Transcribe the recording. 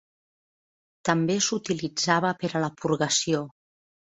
També s'utilitzava per a la purgació.